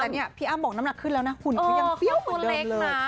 แต่พี่อ้ามบอกน้ำหนักขึ้นแล้วหน้าหุ่นเขายังเปี๊ยบเหมือนเดิมเลย